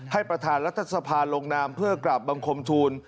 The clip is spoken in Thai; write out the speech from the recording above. ประธานรัฐสภาลงนามเพื่อกราบบังคมทูล